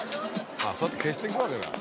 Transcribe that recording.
そうやって消してくわけだ。